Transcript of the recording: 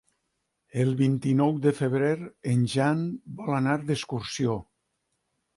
El vint-i-nou de febrer en Jan vol anar d'excursió.